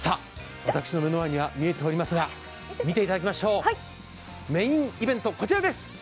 私の目の前に見えてまいりますが、見ていただきましょう、メーンイベント、こちらです。